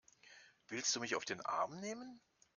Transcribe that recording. Willst du mich auf den Arm nehmen?